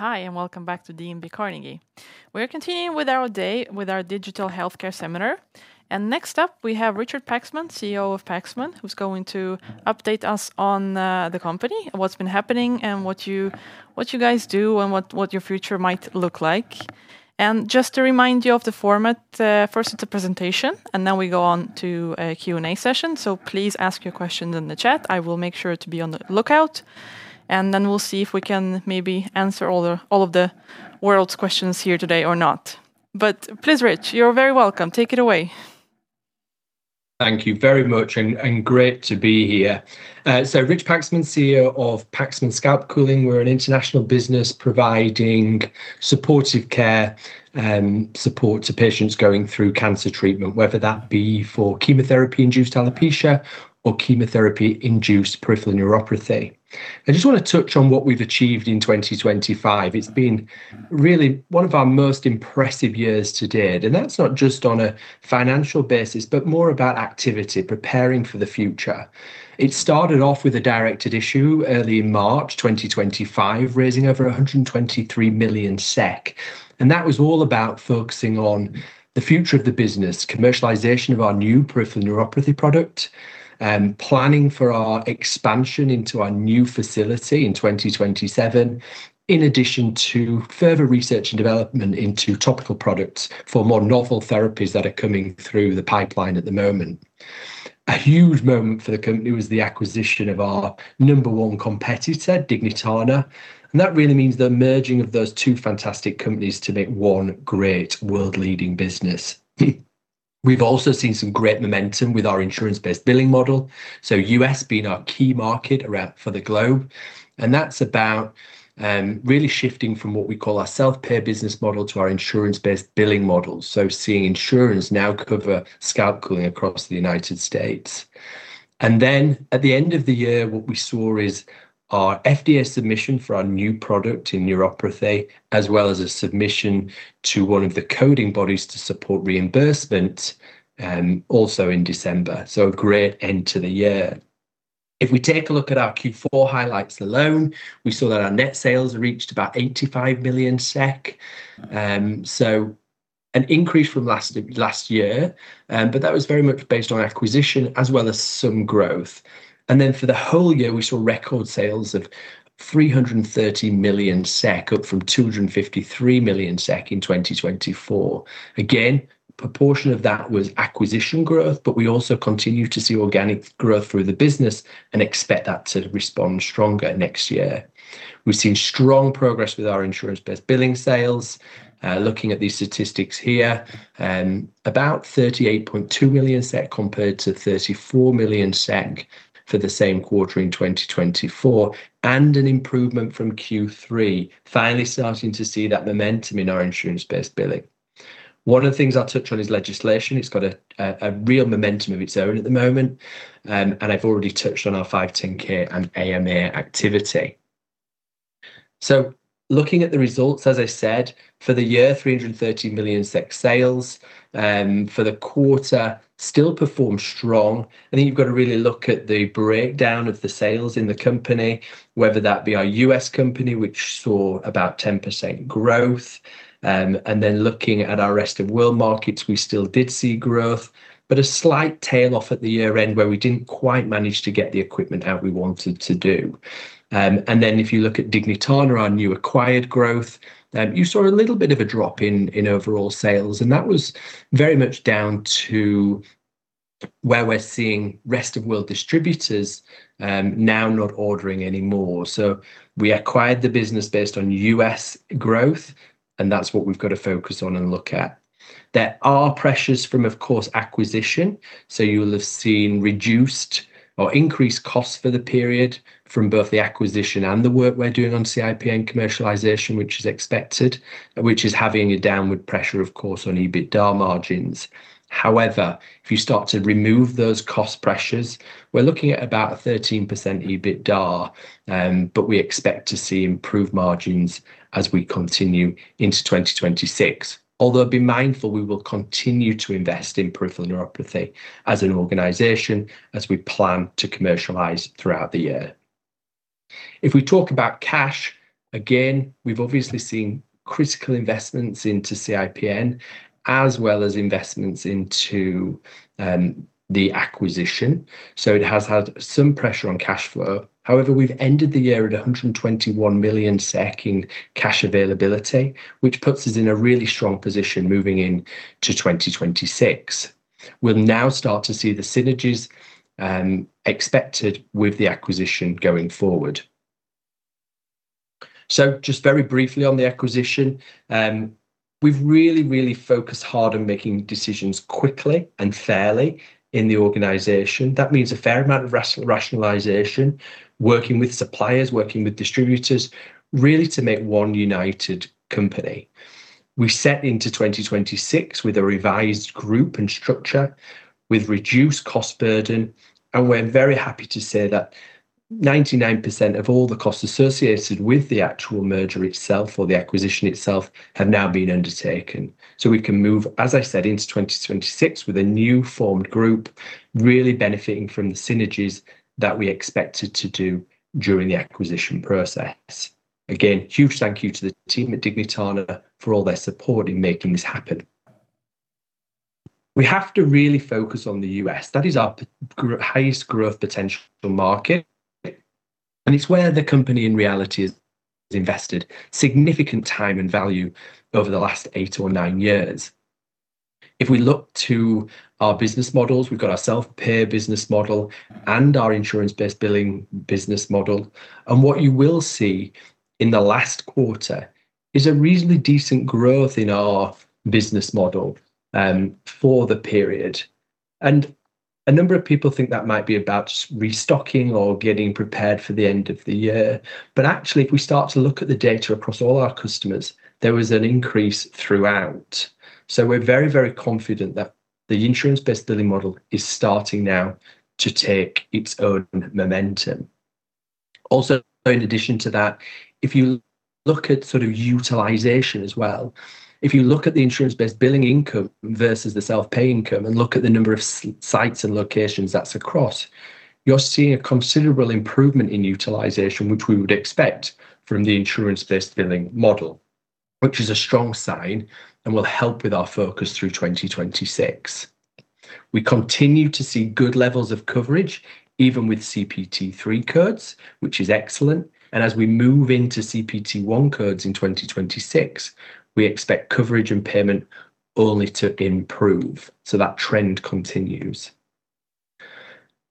Hi, welcome back to DNB Carnegie. We are continuing with our day with our digital healthcare seminar. Next up we have Richard Paxman, CEO of Paxman, who's going to update us on the company and what's been happening and what you, what you guys do and what your future might look like. Just to remind you of the format, first it's a presentation then we go on to a Q&A session. Please ask your questions in the chat. I will make sure to be on the lookout, then we'll see if we can maybe answer all the, all of the world's questions here today or not. Please, Rich, you're very welcome. Take it away. Thank you very much and great to be here. Rich Paxman, CEO of Paxman Scalp Cooling. We're an international business providing supportive care, support to patients going through cancer treatment, whether that be for chemotherapy-induced alopecia or chemotherapy-induced peripheral neuropathy. I just wanna touch on what we've achieved in 2025. It's been really one of our most impressive years to date, that's not just on a financial basis, but more about activity, preparing for the future. It started off with a directed issue early in March 2025, raising over 123 million SEK. That was all about focusing on the future of the business, commercialization of our new peripheral neuropathy product, planning for our expansion into our new facility in 2027, in addition to further research and development into topical products for more novel therapies that are coming through the pipeline at the moment. A huge moment for the company was the acquisition of our number one competitor, Dignitana. That really means the merging of those two fantastic companies to make one great world-leading business. We've also seen some great momentum with our insurance-based billing model, U.S. being our key market around for the globe. That's about really shifting from what we call our self-pay business model to our insurance-based billing model. Seeing insurance now cover scalp cooling across the United States. At the end of the year, what we saw is our FDA submission for our new product in neuropathy, as well as a submission to one of the coding bodies to support reimbursement, also in December. A great end to the year. If we take a look at our Q4 highlights alone, we saw that our net sales reached about 85 million SEK, an increase from last year, but that was very much based on acquisition as well as some growth. For the whole year, we saw record sales of 330 million SEK up from 253 million SEK in 2024. Proportion of that was acquisition growth, but we also continue to see organic growth through the business and expect that to respond stronger next year. We've seen strong progress with our insurance-based billing sales. Looking at these statistics here, about 38.2 million SEK compared to 34 million SEK for the same quarter in 2024 and an improvement from Q3, finally starting to see that momentum in our insurance-based billing. One of the things I touch on is legislation. It's got a real momentum of its own at the moment, and I've already touched on our 510(k) and AMA activity. Looking at the results, as I said, for the year, 330 million sales. For the quarter, still performed strong. I think you've got to really look at the breakdown of the sales in the company, whether that be our US company, which saw about 10% growth. Looking at our rest of world markets, we still did see growth, but a slight tail off at the year-end where we didn't quite manage to get the equipment out we wanted to do. If you look at Dignitana, our new acquired growth, you saw a little bit of a drop in overall sales, and that was very much down to where we're seeing rest of world distributors, now not ordering anymore. We acquired the business based on US growth, and that's what we've got to focus on and look at. There are pressures from, of course, acquisition. You'll have seen reduced or increased costs for the period from both the acquisition and the work we're doing on CIPN commercialization, which is expected, which is having a downward pressure, of course, on EBITDA margins. However, if you start to remove those cost pressures, we're looking at about a 13% EBITDA, but we expect to see improved margins as we continue into 2026. Although be mindful, we will continue to invest in peripheral neuropathy as an organization as we plan to commercialize throughout the year. If we talk about cash, again, we've obviously seen critical investments into CIPN as well as investments into the acquisition. It has had some pressure on cash flow. However, we've ended the year at 121 million SEK in cash availability, which puts us in a really strong position moving into 2026. We'll now start to see the synergies expected with the acquisition going forward. Just very briefly on the acquisition, we've really focused hard on making decisions quickly and fairly in the organization. That means a fair amount of rationalization, working with suppliers, working with distributors, really to make one united company. We set into 2026 with a revised group and structure with reduced cost burden, and we're very happy to say that 99% of all the costs associated with the actual merger itself or the acquisition itself have now been undertaken. We can move, as I said, into 2026 with a new formed group, really benefiting from the synergies that we expected to do during the acquisition process. Huge thank you to the team at Dignitana for all their support in making this happen. We have to really focus on the US. That is our highest growth potential market. It's where the company in reality has invested significant time and value over the last eight or nine years. If we look to our business models, we've got our self-pay business model and our insurance-based billing business model. What you will see in the last quarter is a reasonably decent growth in our business model for the period. A number of people think that might be about restocking or getting prepared for the end of the year. Actually, if we start to look at the data across all our customers, there was an increase throughout. We're very, very confident that the insurance-based billing model is starting now to take its own momentum. Also, in addition to that, if you look at sort of utilization as well, if you look at the insurance-based billing income versus the self-pay income and look at the number of sites and locations that's across, you're seeing a considerable improvement in utilization, which we would expect from the insurance-based billing model, which is a strong sign and will help with our focus through 2026. We continue to see good levels of coverage even with CPT III codes, which is excellent. As we move into CPT I codes in 2026, we expect coverage and payment only to improve. That trend continues.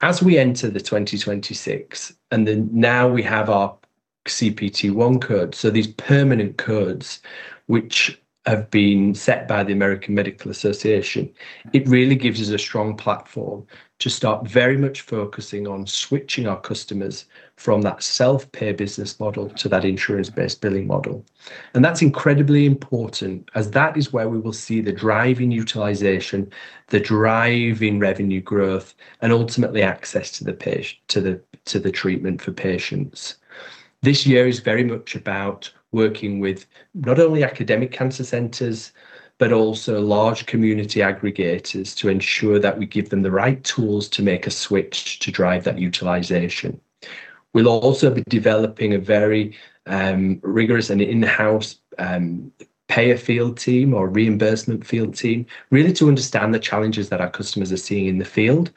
As we enter the 2026, now we have our CPT I codes, these permanent codes which have been set by the American Medical Association, it really gives us a strong platform to start very much focusing on switching our customers from that self-pay business model to that insurance-based billing model. That's incredibly important as that is where we will see the drive in utilization, the drive in revenue growth, and ultimately access to the treatment for patients. This year is very much about working with not only academic cancer centers, but also large community aggregators to ensure that we give them the right tools to make a switch to drive that utilization. We'll also be developing a very rigorous and in-house payer field team or reimbursement field team, really to understand the challenges that our customers are seeing in the field.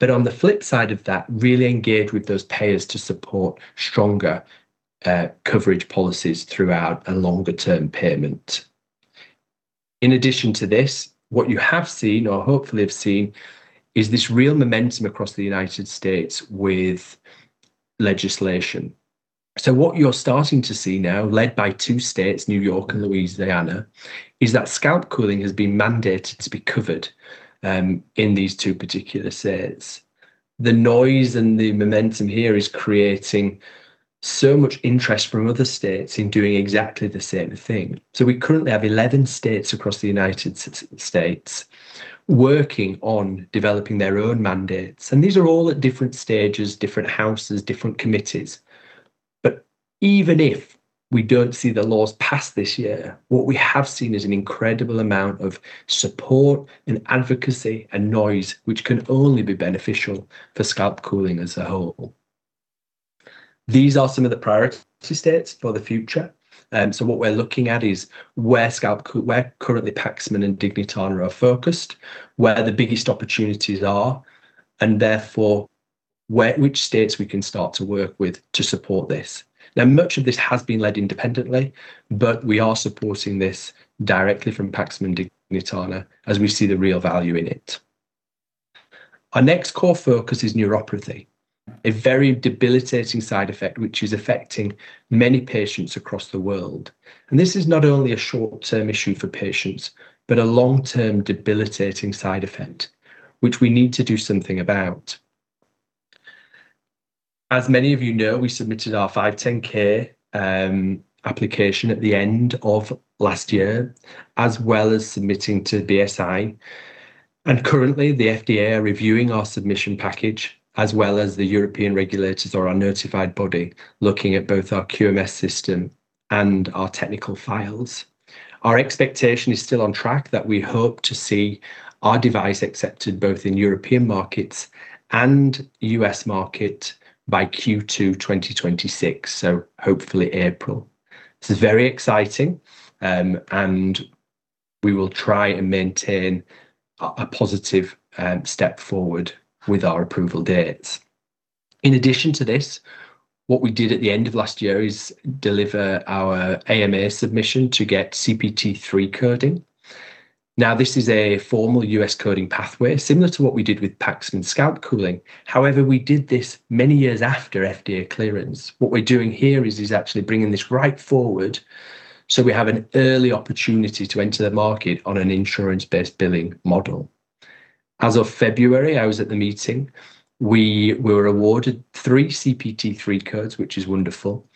On the flip side of that, really engage with those payers to support stronger coverage policies throughout a longer-term payment. In addition to this, what you have seen, or hopefully have seen, is this real momentum across the United States with legislation. What you're starting to see now, led by two states, New York and Louisiana, is that scalp cooling has been mandated to be covered in these two particular states. The noise and the momentum here is creating so much interest from other states in doing exactly the same thing. We currently have 11 states across the United States working on developing their own mandates, and these are all at different stages, different houses, different committees. Even if we don't see the laws passed this year, what we have seen is an incredible amount of support and advocacy and noise, which can only be beneficial for scalp cooling as a whole. These are some of the priority states for the future. What we're looking at is where currently Paxman and Dignitana are focused, where the biggest opportunities are, and therefore which states we can start to work with to support this. Now, much of this has been led independently, but we are supporting this directly from Paxman Dignitana as we see the real value in it. Our next core focus is neuropathy, a very debilitating side effect which is affecting many patients across the world. This is not only a short-term issue for patients, but a long-term debilitating side effect, which we need to do something about. As many of you know, we submitted our 510(k) application at the end of last year, as well as submitting to BSI. Currently, the FDA are reviewing our submission package, as well as the European regulators or our notified body, looking at both our QMS system and our technical files. Our expectation is still on track that we hope to see our device accepted both in European markets and US market by Q2 2026, so hopefully April. This is very exciting, and we will try and maintain a positive step forward with our approval dates. In addition to this, what we did at the end of last year is deliver our AMA submission to get CPT III coding. This is a formal U.S. coding pathway, similar to what we did with Paxman Scalp Cooling. We did this many years after FDA clearance. What we're doing here is actually bringing this right forward so we have an early opportunity to enter the market on an insurance-based billing model. As of February, I was at the meeting, we were awarded three CPT III codes, which is wonderful.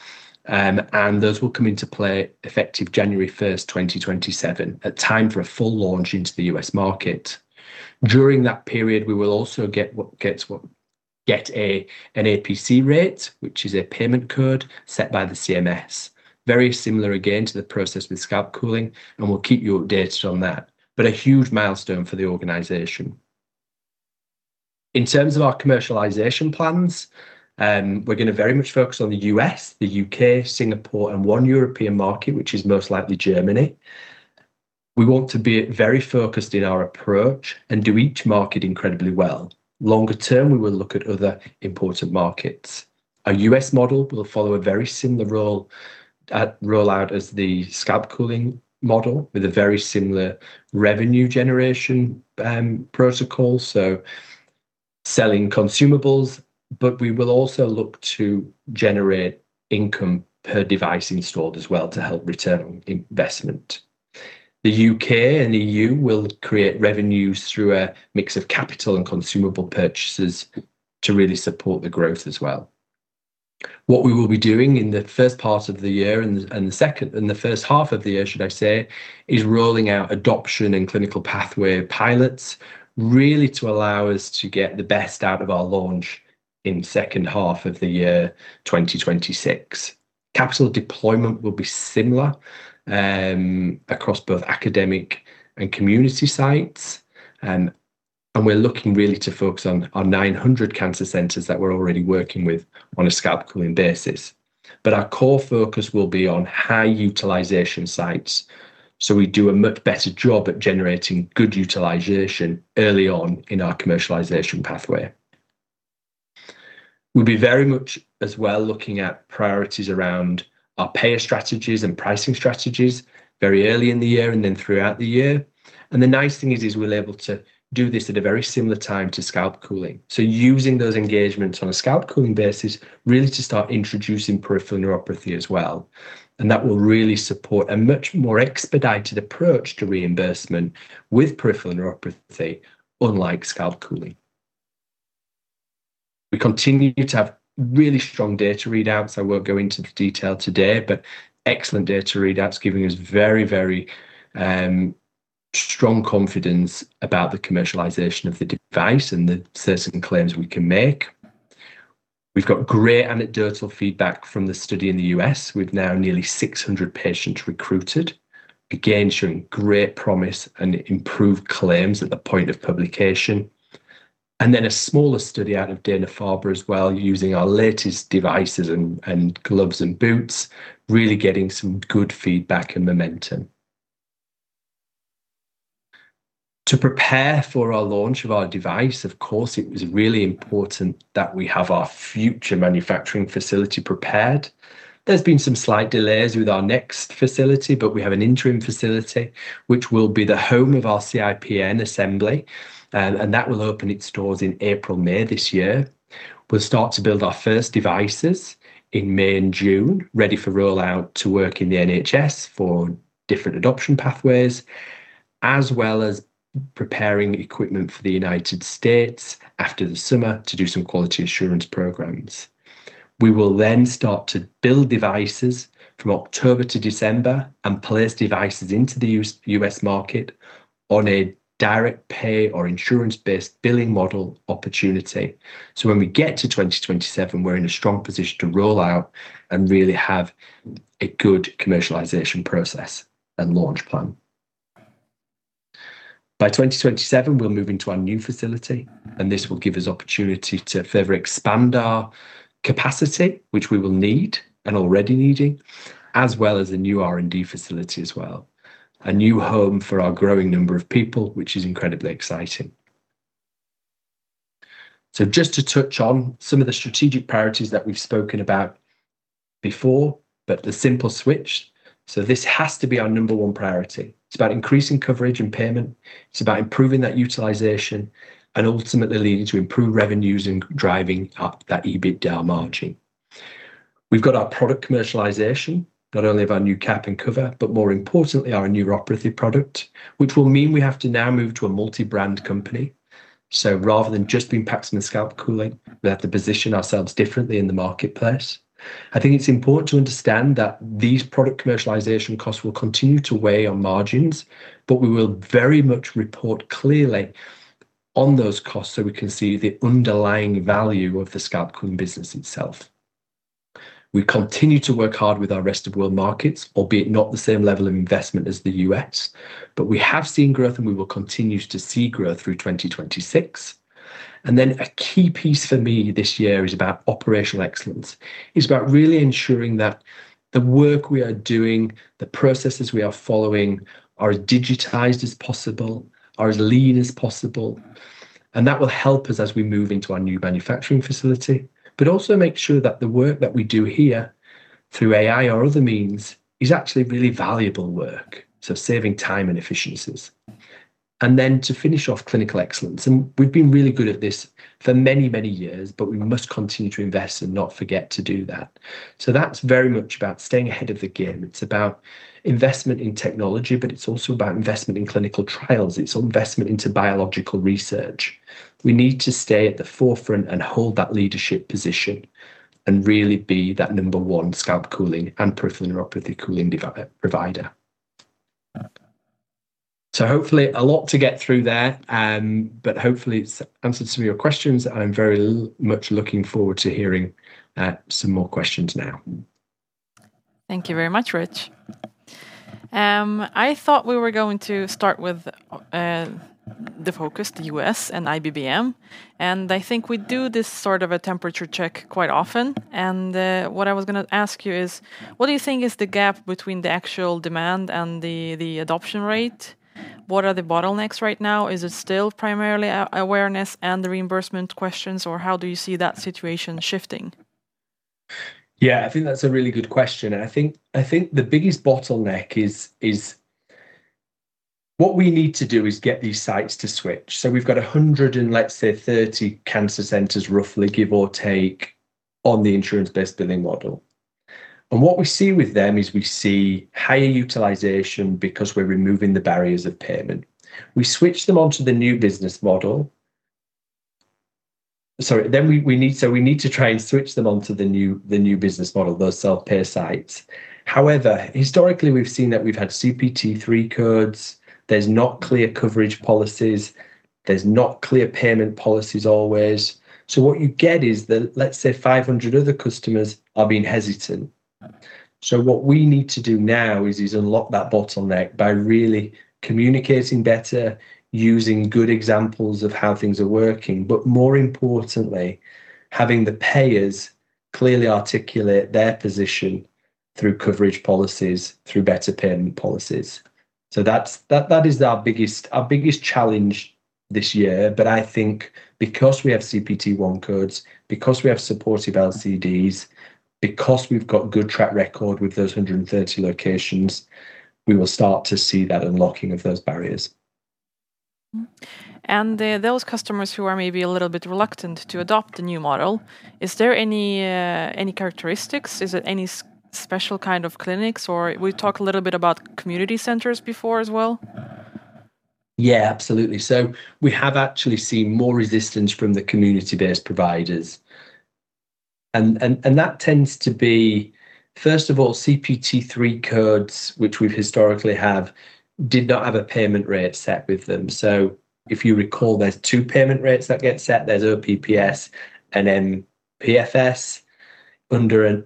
Those will come into play effective January 1, 2027, a time for a full launch into the U.S. market. During that period, we will also get an APC rate, which is a payment code set by the CMS. Very similar again to the process with scalp cooling, and we'll keep you updated on that. A huge milestone for the organization. In terms of our commercialization plans, we're gonna very much focus on the US, the UK, Singapore, and one European market, which is most likely Germany. We want to be very focused in our approach and do each market incredibly well. Longer term, we will look at other important markets. Our US model will follow a very similar role rollout as the scalp cooling model with a very similar revenue generation protocol, so selling consumables. We will also look to generate income per device installed as well to help return investment. The UK and EU will create revenues through a mix of capital and consumable purchases to really support the growth as well. What we will be doing in the first part of the year and the first half of the year, should I say, is rolling out adoption and clinical pathway pilots, really to allow us to get the best out of our launch in second half of the year, 2026. Capital deployment will be similar across both academic and community sites. We're looking really to focus on our 900 cancer centers that we're already working with on a scalp cooling basis. Our core focus will be on high utilization sites, so we do a much better job at generating good utilization early on in our commercialization pathway. We'll be very much as well looking at priorities around our payer strategies and pricing strategies very early in the year and then throughout the year. The nice thing is we're able to do this at a very similar time to scalp cooling. Using those engagements on a scalp cooling basis really to start introducing peripheral neuropathy as well. That will really support a much more expedited approach to reimbursement with peripheral neuropathy, unlike scalp cooling. We continue to have really strong data readouts. I won't go into the detail today, but excellent data readouts giving us very strong confidence about the commercialization of the device and the certain claims we can make. We've got great anecdotal feedback from the study in the US. We've now nearly 600 patients recruited, again, showing great promise and improved claims at the point of publication. A smaller study out of Dana-Farber as well using our latest devices and gloves and boots, really getting some good feedback and momentum. To prepare for our launch of our device, of course, it was really important that we have our future manufacturing facility prepared. There's been some slight delays with our next facility, but we have an interim facility, which will be the home of our CIPN assembly, and that will open its doors in April, May this year. We'll start to build our first devices in May and June, ready for rollout to work in the NHS for different adoption pathways, as well as preparing equipment for the United States after the summer to do some quality assurance programs. We will start to build devices from October to December and place devices into the US market on a direct pay or insurance-based billing model opportunity. When we get to 2027, we're in a strong position to roll out and really have a good commercialization process and launch plan. By 2027, we'll move into our new facility, and this will give us opportunity to further expand our capacity, which we will need and already needing, as well as a new R&D facility as well. A new home for our growing number of people, which is incredibly exciting. Just to touch on some of the strategic priorities that we've spoken about before, but the simple switch. This has to be our number one priority. It's about increasing coverage and payment. It's about improving that utilization and ultimately leading to improved revenues and driving up that EBITDA margin. We've got our product commercialization, not only of our new cap and cover, but more importantly, our neuropathy product, which will mean we have to now move to a multi-brand company. Rather than just being Paxman Scalp Cooling, we have to position ourselves differently in the marketplace. I think it's important to understand that these product commercialization costs will continue to weigh on margins, but we will very much report clearly on those costs so we can see the underlying value of the scalp cooling business itself. We continue to work hard with our rest of world markets, albeit not the same level of investment as the U.S., but we have seen growth, and we will continue to see growth through 2026. A key piece for me this year is about operational excellence. It's about really ensuring that the work we are doing, the processes we are following are as digitized as possible, are as lean as possible. That will help us as we move into our new manufacturing facility. Also make sure that the work that we do here through AI or other means is actually really valuable work, so saving time and efficiencies. To finish off clinical excellence. We've been really good at this for many, many years, we must continue to invest and not forget to do that. That's very much about staying ahead of the game. It's about investment in technology. It's also about investment in clinical trials. It's investment into biological research. We need to stay at the forefront and hold that leadership position and really be that number one scalp cooling and peripheral neuropathy cooling provider. Hopefully a lot to get through there, but hopefully it's answered some of your questions. I'm very much looking forward to hearing some more questions now. Thank you very much, Rich. I thought we were going to start with the focus, the US and IBBM, and I think we do this sort of a temperature check quite often. What I was gonna ask you is: what do you think is the gap between the actual demand and the adoption rate? What are the bottlenecks right now? Is it still primarily awareness and the reimbursement questions, or how do you see that situation shifting? I think that's a really good question, and I think the biggest bottleneck is... What we need to do is get these sites to switch. We've got 130 cancer centers, roughly, give or take, on the insurance-based billing model. What we see with them is we see higher utilization because we're removing the barriers of payment. We switch them onto the new business model. Sorry, we need to try and switch them onto the new business model, those self-pay sites. Historically, we've seen that we've had CPT III codes. There's not clear coverage policies. There's not clear payment policies always. What you get is the, let's say, 500 other customers are being hesitant. What we need to do now is unlock that bottleneck by really communicating better, using good examples of how things are working, but more importantly, having the payers clearly articulate their position through coverage policies, through better payment policies. That's, that is our biggest challenge this year. I think because we have CPT Category I codes, because we have supportive LCDs, because we've got good track record with those 130 locations, we will start to see that unlocking of those barriers. Those customers who are maybe a little bit reluctant to adopt the new model, is there any characteristics? Is it any special kind of clinics, or we talked a little bit about community centers before as well. Yeah, absolutely. We have actually seen more resistance from the community-based providers. That tends to be, first of all, CPT Category III codes, which we've historically did not have a payment rate set with them. If you recall, there's two payment rates that get set. There's OPPS and MPFS. Under a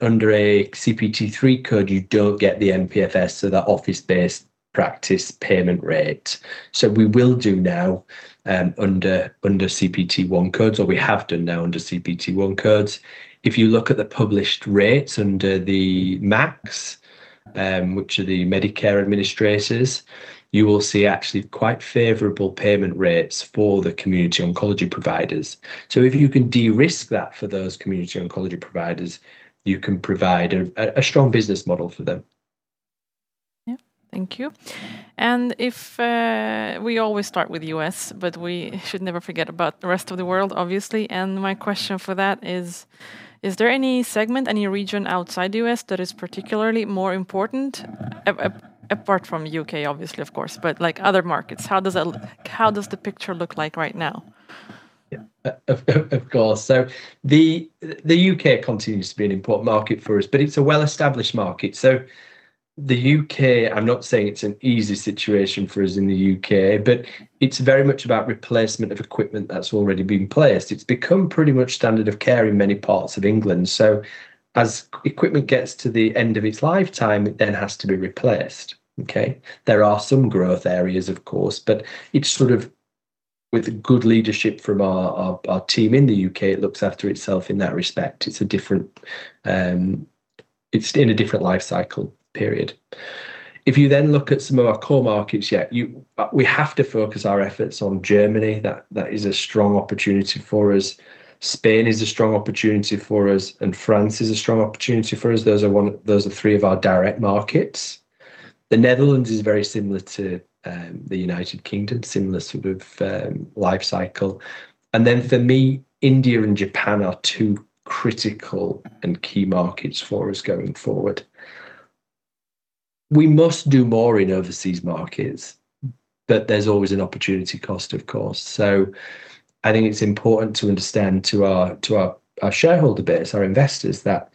CPT Category III code, you don't get the MPFS, so that office-based practice payment rate. We will do now under CPT Category I codes, or we have done now under CPT Category I codes. If you look at the published rates under the MACs, which are the Medicare administrators, you will see actually quite favorable payment rates for the community oncology providers. If you can de-risk that for those community oncology providers, you can provide a strong business model for them. Thank you. If we always start with U.S., but we should never forget about the rest of the world, obviously. My question for that is there any segment, any region outside U.S. that is particularly more important? Apart from U.K., obviously, of course, but like other markets, how does the picture look like right now? Of course. The UK continues to be an important market for us, but it's a well-established market. The UK, I'm not saying it's an easy situation for us in the UK, but it's very much about replacement of equipment that's already been placed. It's become pretty much standard of care in many parts of England. As equipment gets to the end of its lifetime, it then has to be replaced, okay? There are some growth areas, of course, but it's sort of with good leadership from our team in the UK, it looks after itself in that respect. It's a different, it's in a different life cycle period. If you then look at some of our core markets, you, we have to focus our efforts on Germany. That is a strong opportunity for us. Spain is a strong opportunity for us, and France is a strong opportunity for us. Those are three of our direct markets. The Netherlands is very similar to the United Kingdom, similar sort of life cycle. For me, India and Japan are two critical and key markets for us going forward. We must do more in overseas markets, but there's always an opportunity cost, of course. I think it's important to understand to our shareholder base, our investors, that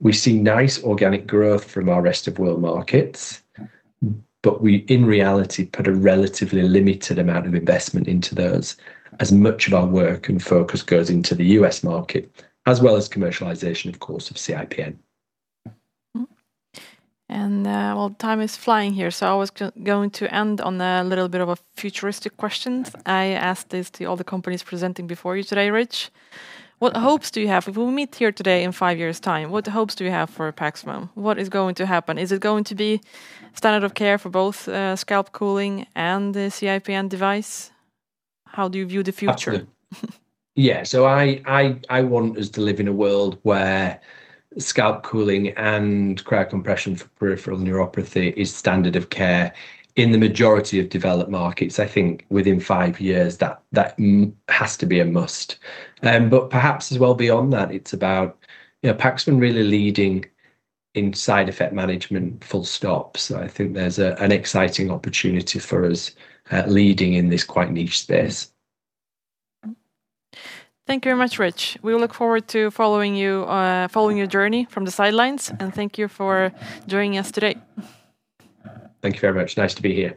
we see nice organic growth from our rest of world markets, but we, in reality, put a relatively limited amount of investment into those as much of our work and focus goes into the U.S. market, as well as commercialization, of course, of CIPN. Well, time is flying here, so I was going to end on a little bit of a futuristic questions. I asked this to all the companies presenting before you today, Rich. What hopes do you have? If we meet here today in five years' time, what hopes do you have for Paxman? What is going to happen? Is it going to be standard of care for both, scalp cooling and the CIPN device? How do you view the future? I, I want us to live in a world where scalp cooling and cryocompression for peripheral neuropathy is standard of care in the majority of developed markets. I think within five years that has to be a must. But perhaps as well beyond that, it's about, you know, Paxman really leading in side effect management full stop. I think there's a, an exciting opportunity for us, leading in this quite niche space. Thank you very much, Rich. We look forward to following your journey from the sidelines, and thank you for joining us today. Thank you very much. Nice to be here.